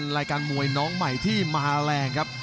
รายการมวยน้องใหม่ที่มาแรงครับ